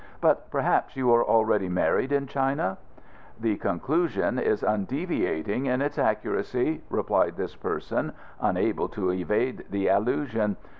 But perhaps you are already married in China?" "The conclusion is undeviating in its accuracy," replied this person, unable to evade the allusion.